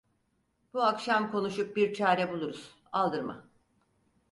Bu akşam konuşup bir çare buluruz, aldırma!